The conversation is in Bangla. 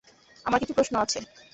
আমার কিছু প্রশ্ন আছে।